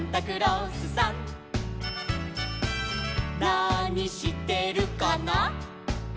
「なにしてるかな」